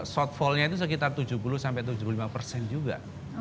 shortfallnya itu sekitar tujuh puluh tujuh puluh lima juga